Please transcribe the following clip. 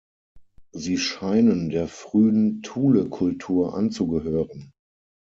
Sie scheinen der frühen Thule-Kultur anzugehören.